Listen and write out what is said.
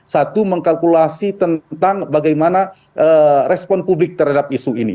satu mengkalkulasi tentang bagaimana respon publik terhadap isu ini